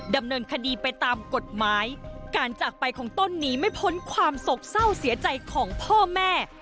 ดำเนินคดีไปตามกฎหมายการจากไปของต้นนี้ไม่พ้นความโศกเศร้าเสียใจของพ่อแม่